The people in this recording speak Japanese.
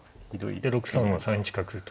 で６三馬３一角と。